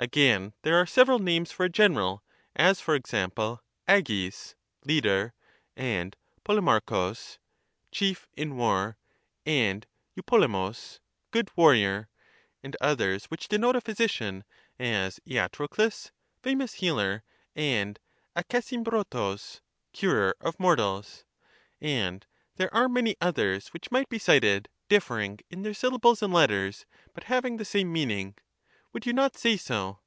Again, there are several names for a general, as, for example, Agis (leader) and Polemarchus (chief in war) and Eupolemus (good warrior) ; and others which denote a physician, as latrocles (famous healer) and Acesimbrotus (curer of mortals) ; and there are many others which might be cited, differing in their syllables and letters, but having the same meaning. Would you not say so?